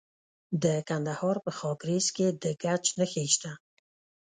د کندهار په خاکریز کې د ګچ نښې شته.